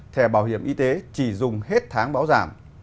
thẻ bảo hiểm y tế chỉ dùng hết tháng báo giảm